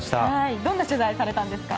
どんな取材をされたんですか。